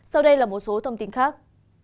sau đây là một số thông tin khác